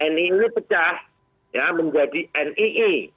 nii ini pecah menjadi nii